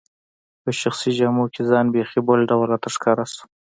په شخصي جامو کي ځان بیخي بل ډول راته ښکاره شو.